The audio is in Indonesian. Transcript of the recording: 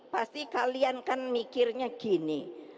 pasti kalian kan mikirnya gini